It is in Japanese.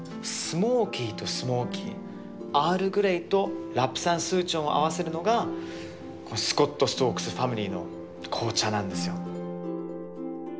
スモーキーとスモーキーアールグレイとラプサンスーチョンを合わせるのがスコット＝ストークス・ファミリーの紅茶なんですよ。